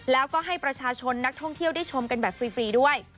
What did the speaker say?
แล้วก็ให้ประชาชนนักท่องเที่ยวได้ชมกันแบบฟรีด้วย